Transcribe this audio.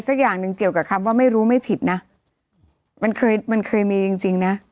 สักอย่างหนึ่งเกี่ยวกับคำว่าไม่รู้ไม่ผิดนะมันเคยมันเคยมีจริงจริงนะ